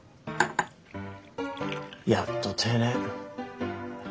やっと定年。